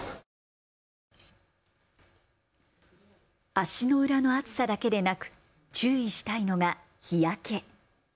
足の裏の熱さだけでなく注意したいのが日焼け。